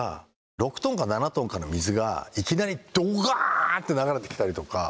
６トンか７トンかの水がいきなりドカンと流れてきたりとか。